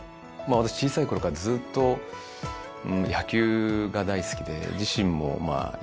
私小さいころからずっと野球が大好きで自身もやってきたんですけど。